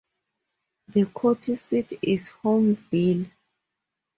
The county seat is Homerville.